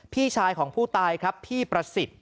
พี่ชายของผู้ตายครับพี่ประสิทธิ์